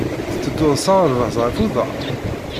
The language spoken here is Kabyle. Tettedduḍ s aɣerbaz ɣef uḍar?